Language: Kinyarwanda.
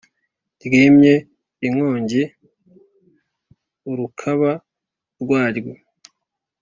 Ryimye inkongi urukoba rwaryo.